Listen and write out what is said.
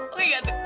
oke gak tuk